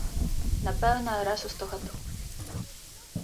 Напэўна, раз у сто гадоў.